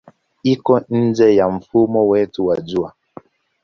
Iko nje ya mfumo wetu wa Jua.